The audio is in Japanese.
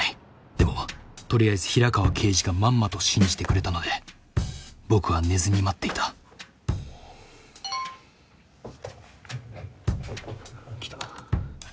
でもとりあえず平川刑事がまんまと信じてくれたので僕は寝ずに待っていた。来た。